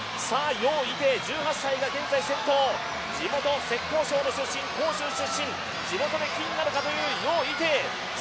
余依テイ、１８歳が現在先頭、地元・浙江省の出身杭州出身、地元で金なるか余依テイ。